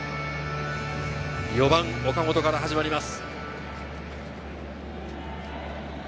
４番・岡本から始まります。